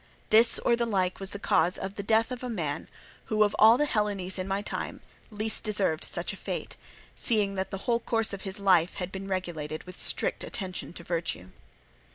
This or the like was the cause of the death of a man who, of all the Hellenes in my time, least deserved such a fate, seeing that the whole course of his life had been regulated with strict attention to virtue.